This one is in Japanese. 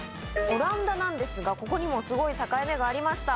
オランダなんですがここにもすごい境目がありました。